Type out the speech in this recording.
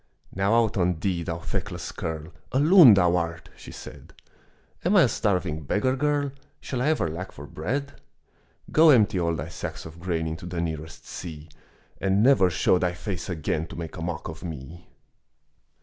"Now out on thee, thou feckless kerl, A loon thou art," she said. "Am I a starving beggar girl? Shall I ever lack for bread?" "Go empty all thy sacks of grain Into the nearest sea, And never show thy face again To make a mock of me."